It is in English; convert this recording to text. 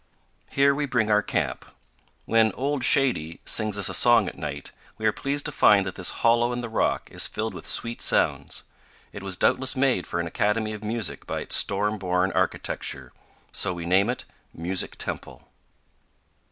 Here we bring our camp. When "Old Shady" sings us a song at FROM THE GRAND TO THE LITTLE COLORADO. 231 night, we are pleased to find that this hollow in the rock is filled with sweet sounds. It was doubtless made for an academy of music by its storm born architect; so we name it Music Temple.